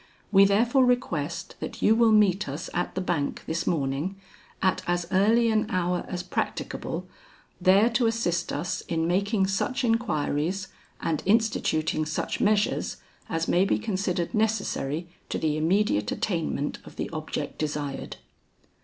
We therefore request that you will meet us at the bank this morning at as early an hour as practicable, there to assist us in making such inquiries and instituting such measures, as may be considered necessary to the immediate attainment of the object desired.